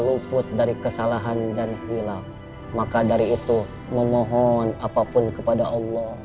luput dari kesalahan dan hilal maka dari itu memohon apapun kepada allah